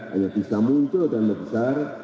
hanya bisa muncul dan membesar